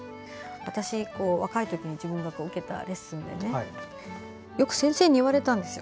私、若い時に自分が受けたレッスンでよく先生に言われたんですよ。